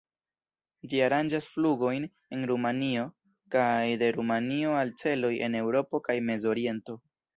Ĝi aranĝas flugojn en Rumanio kaj de Rumanio al celoj en Eŭropo kaj Mezoriento.